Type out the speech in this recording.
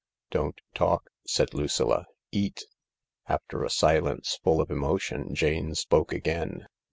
." "Don't talk," said Lucilla; "eat." After a silence full of emotion Jane spoke again.